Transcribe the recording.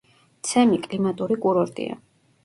ცემი კლიმატური კურორტია.